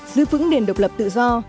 giữ vững nền độc lập tự do